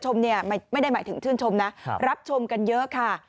ไม่ได้หมายถึงชื่นชมนะรับชมกันเยอะค่ะ